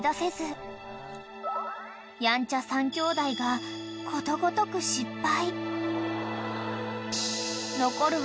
［やんちゃ３きょうだいがことごとく失敗］